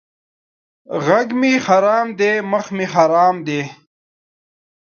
ږغ مې حرام دی مخ مې حرام دی!